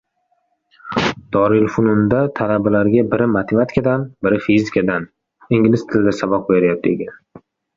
Dorilfununda talabalarga biri matematikadan, biri fizikadan ingliz tilida saboq beryapti ekan.